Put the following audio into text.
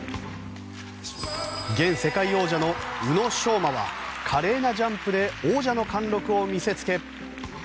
現世界王者の宇野昌磨は華麗なジャンプで王者の貫録を見せつけ。